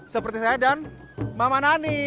seperti saya dan mama nani